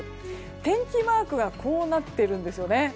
天気マークがこうなっているんですよね。